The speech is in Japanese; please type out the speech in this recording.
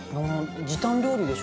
時短料理でしょ。